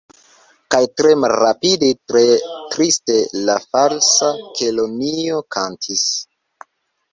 Kaj tre malrapide, tre triste la Falsa Kelonio kantis.